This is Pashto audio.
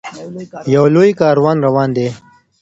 یو لوی کاروان روان دی.